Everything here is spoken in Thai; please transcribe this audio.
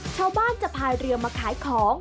ชาวบ้านจะพายเรือมาขายของ